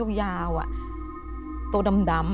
ผมยาวอะตัวดำอะ